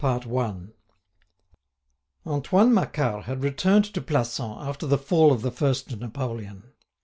CHAPTER IV Antoine Macquart had returned to Plassans after the fall of the first Napoleon.